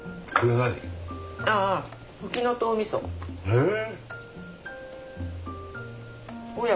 へえ！